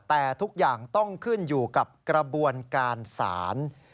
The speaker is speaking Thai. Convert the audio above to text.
แต่ทุกอย่างต้องขึ้นอยู่กับกระบวนการศาล